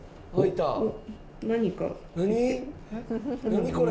何これ？